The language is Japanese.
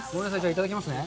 いただきますね。